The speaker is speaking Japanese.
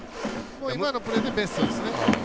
今のプレーでベストです。